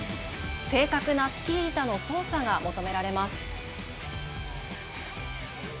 正確なスキー板の操作が求められます。